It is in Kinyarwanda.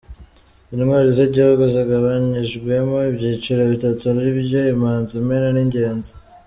Intwari z’Igihugu zigabanyijwemo ibyiciro bitatu ari byo: Imanzi, Imena n’Ingenzi.